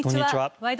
「ワイド！